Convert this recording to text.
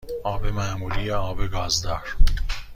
آب معمولی یا آب گازدار؟